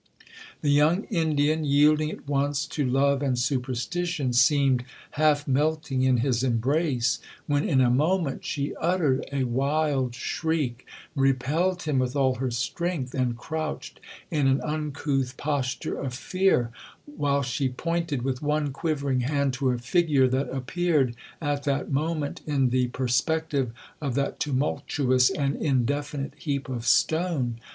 The young Indian, yielding at once to love and superstition, seemed half melting in his embrace, when, in a moment, she uttered a wild shriek, repelled him with all her strength, and crouched in an uncouth posture of fear, while she pointed with one quivering hand to a figure that appeared, at that moment, in the perspective of that tumultuous and indefinite heap of stone.